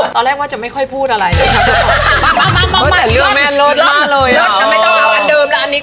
ตอนแรกว่าจะไม่ค่อยพูดอะไร